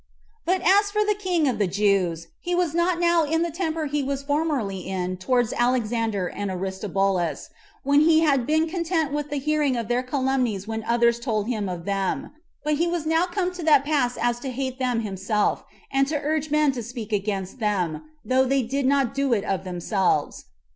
2. But as for the king of the Jews, he was not now in the temper he was in formerly towards Alexander and Aristobulus, when he had been content with the hearing their calumnies when others told him of them; but he was now come to that pass as to hate them himself, and to urge men to speak against them, though they did not do it of themselves.